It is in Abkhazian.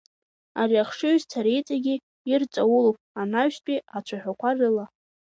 Ари ахшыҩзцара иҵегьы ирҵаулоуп анаҩстәи ацәаҳәақәа рыла…